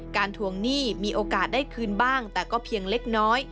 ทวงหนี้มีโอกาสได้คืนบ้างแต่ก็เพียงเล็กน้อย